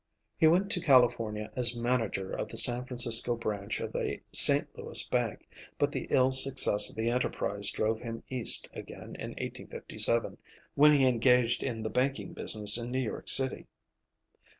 He first went to California as manager of the San Francisco branch of a St. Louis bank, but the ill success of the enterprise drove him east again in 1857, when he engaged in the banking business in New York City.